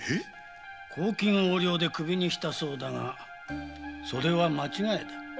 公金横領でクビにしたそうだがそれは間違いだ。